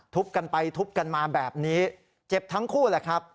กันไปทุบกันมาแบบนี้เจ็บทั้งคู่แหละครับ